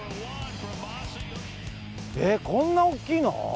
えっ、こんな大きいの？